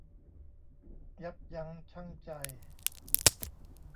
ยับยั้งชั่งใจ